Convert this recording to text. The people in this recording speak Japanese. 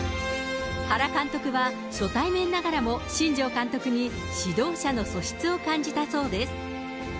原監督は、初対面ながらも、新庄監督に指導者の素質を感じたそうです。